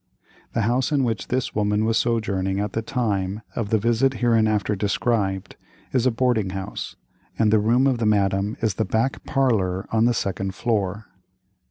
The house in which this woman was sojourning at the time of the visit hereinafter described, is a boarding house, and the room of the Madame is the back parlor on the second floor.